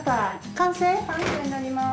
完成になります。